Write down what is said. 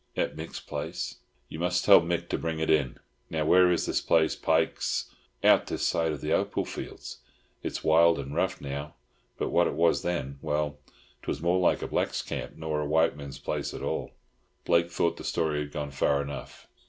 "At Mick's place." "You must tell Mick to bring it in. Now where is this place, Pike's?" "Out this side of the opal fields. It's wild and rough now, but what it was then—well 'twas more like a black's camp nor a white man's place at all." Blake thought the story had gone far enough.